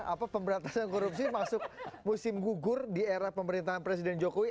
apa pemberantasan korupsi masuk musim gugur di era pemerintahan presiden jokowi